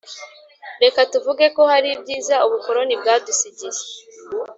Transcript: reka tuvuge ko hari ibyiza ubukoroni bwadusigiye.